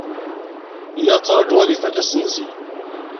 Lliɣ ttṛajuɣ ad ifak assenzi.